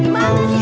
di mana sih